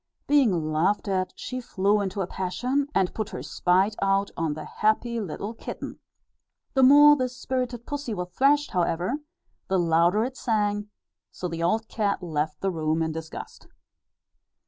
Being laughed at she flew into a passion, and put her spite out on the happy little kitten. The more this spirited pussy was thrashed however, the louder it sang; so the old cat left the room in disgust.